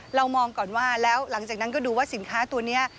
เรามองก่อนว่าแล้วหลังจากนั้นก็ดูว่าสินค้าตัวนี้